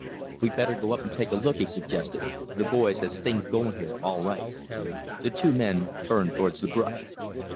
"We'd better go up and take a look," he suggested. "Th' boys has things going here all right." The two men turned towards the brush.